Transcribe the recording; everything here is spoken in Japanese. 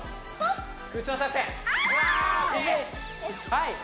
はい！